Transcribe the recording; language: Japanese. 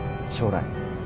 将来。